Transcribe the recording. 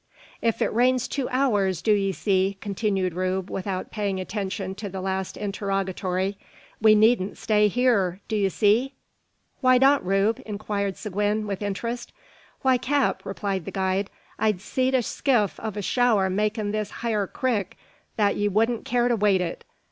"If it rains two hours, do 'ee see," continued Rube, without paying attention to the last interrogatory, "we needn't stay hyur, do 'ee see?" "Why not, Rube?" inquired Seguin, with interest. "Why, cap," replied the guide, "I've seed a skift o' a shower make this hyur crick that 'ee wudn't care to wade it.